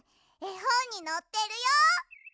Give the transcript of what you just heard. えほんにのってるよ。